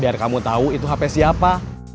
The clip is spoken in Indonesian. biar kamu tahu itu hp siapa